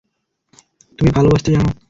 তুমি ভালোবাসতে জানো।